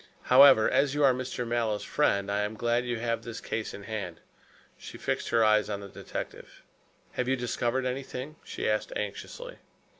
However, as you are Mr. Mallow's friend, I am glad you have this case in hand," she fixed her eyes on the detective. "Have you discovered anything?" she asked anxiously.